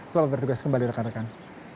selamat bertugas kembali rekan rekan